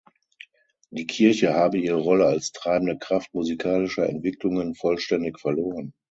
Die Kirche habe ihre Rolle als treibende Kraft musikalischer Entwicklungen vollständig verloren.